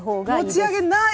持ち上げない！